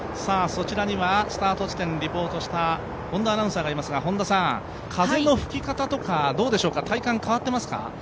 そちらにはスタート地点でリポートした本田アナウンサーがいますが風の吹き方とかどうでしょうか変わってますか？